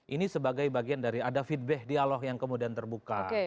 ini sebagai bagian dari ada feedback dialog yang kemudian terbuka